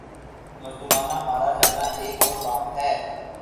مظلومانہ مارا جانا ایک اور بات ہے۔